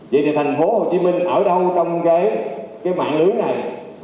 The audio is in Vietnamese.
vậy thì thành phố hồ chí minh ở đâu trong cái mạng lưới này